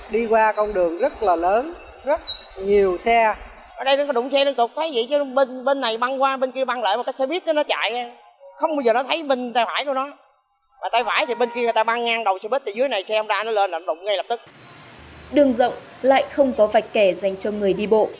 đường rộng lại không có vạch kẻ dành cho người đi bộ